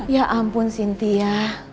ya ampun sintia